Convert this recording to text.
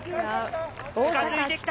近づいてきた。